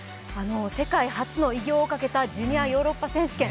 世界初の偉業をかけたジュニアヨーロッパ選手権。